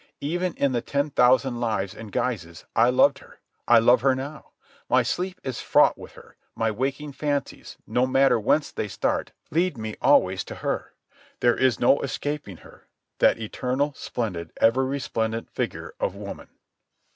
Ever, in the ten thousand lives and guises, I loved her. I love her now. My sleep is fraught with her; my waking fancies, no matter whence they start, lead me always to her. There is no escaping her, that eternal, splendid, ever resplendent figure of woman.